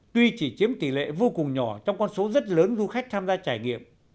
tuy chỉ chiếm tỷ lệ vô cùng nhỏ trong con số rất lớn du khách tham gia trải nghiệm